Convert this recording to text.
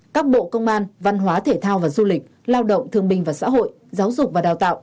các bộ công an văn hóa thể thao và du lịch lao động thương minh và xã hội giáo dục và đào tạo